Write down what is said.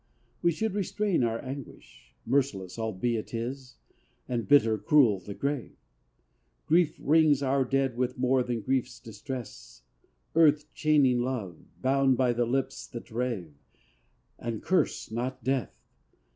We should restrain our anguish; (merciless, Albeit it is, and bitter cruel the grave:) Grief wrings our dead with more than grief's distress, Earth chaining love, bound by the lips that rave. And curse not death!